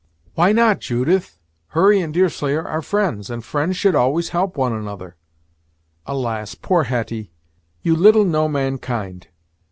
"Why not, Judith? Hurry and Deerslayer are friends, and friends should always help one another." "Alas! poor Hetty, you little know mankind!